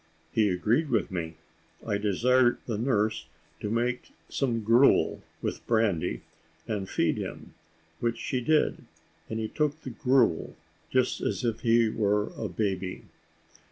He agreed with me. I desired the nurse to make some gruel, with brandy, and feed him: which she did, and he took the gruel just as if he were a baby.